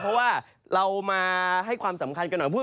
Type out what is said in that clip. เพราะว่าเรามาให้ความสำคัญกันหน่อย